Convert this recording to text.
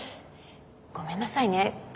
ごめんなさいね私今朝。